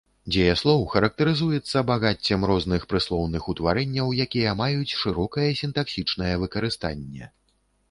Дзеяслоў характарызуецца багаццем розных прыслоўных утварэнняў, якія маюць шырокае сінтаксічнае выкарыстанне.